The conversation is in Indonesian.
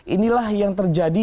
inilah yang terjadi